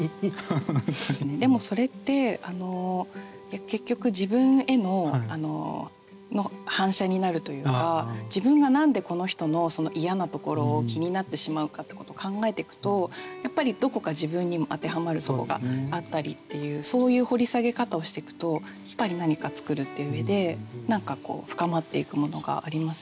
でもそれって結局自分が何でこの人の嫌なところを気になってしまうかってことを考えてくとやっぱりどこか自分にも当てはまるとこがあったりっていうそういう掘り下げ方をしてくとやっぱり何か作るっていう上で深まっていくものがあります。